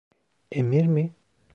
Emir mi?